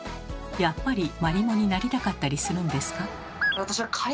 やっぱりマリモになりたかったりするんですか？